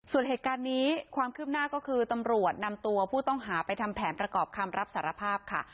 ส่วนเหตุการณ์นี้ความคืบหน้าก็คือตำรวจนำตัวผู้ต้องหาไปทำแผนประกอบคำรับสารภาพค่ะ